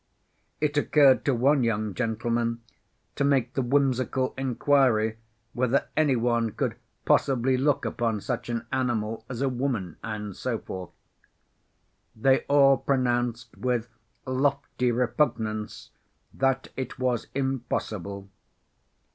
It occurred to one young gentleman to make the whimsical inquiry whether any one could possibly look upon such an animal as a woman, and so forth.... They all pronounced with lofty repugnance that it was impossible.